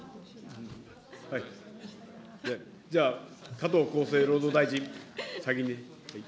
じゃあ、加藤厚生労働大臣、先に。